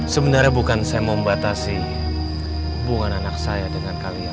sebenarnya bukan saya membatasi hubungan anak saya dengan kalian